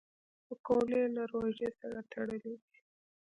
پکورې له روژې سره تړلي دي